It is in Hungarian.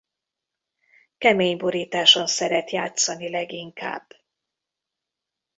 Kemény borításon szeret játszani leginkább.